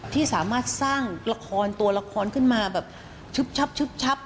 ที่สามารถสร้างตัวละครขึ้นมาแบบชุบชับชุบชับ